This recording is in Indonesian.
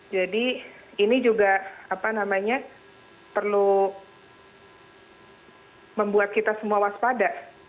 jadi ini juga apa namanya perlu membuat kita semua waspada